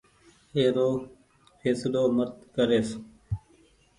اي رو ڦيسلو مت ڪريس۔